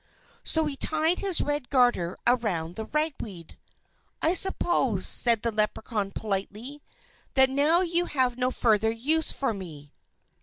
So he tied his red garter around the ragweed. "I suppose," said the Leprechaun politely, "that now you have no further use for me."